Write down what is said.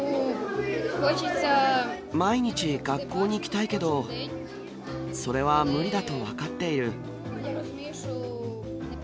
毎日学校に来たいけど、それは無理だと分かっている。